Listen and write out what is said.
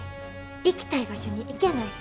行きたい場所に行けない。